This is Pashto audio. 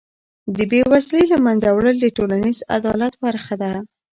د بېوزلۍ له منځه وړل د ټولنیز عدالت برخه ده.